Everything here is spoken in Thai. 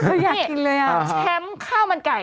เอาอย่างนี้แชมพ์ข้าวมันไก่